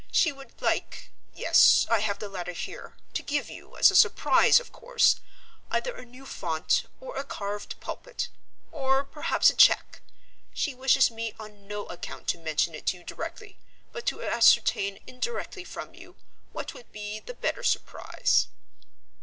She would like yes, I have the letter here to give you, as a surprise, of course, either a new font or a carved pulpit; or perhaps a cheque; she wishes me on no account to mention it to you directly, but to ascertain indirectly from you, what would be the better surprise."